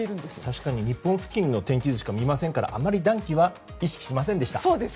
確かに日本付近の天気図しか見ませんからあまり暖気は意識しませんでした。